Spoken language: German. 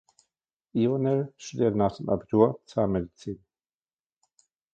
Ionel studierte nach dem Abitur Zahnmedizin.